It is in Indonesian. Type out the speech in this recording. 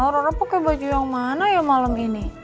rara pake baju yang mana ya malem ini